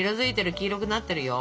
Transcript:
黄色くなってるよ。